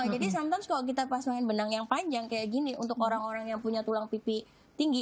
jadi kadang kadang kalau kita pasangin benang yang panjang kayak gini untuk orang orang yang punya tulang pipi tinggi